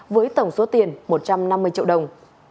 với tổng số tiền một trăm năm mươi triệu đồng